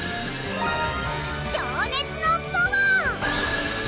情熱のパワー！